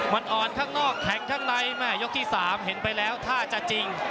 มันอ่อนข้างนอกแข็งข้างในแม่ยกที่๓เห็นไปแล้วถ้าจะจริง